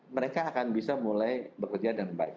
mereka akan bisa mulai bekerja dengan baik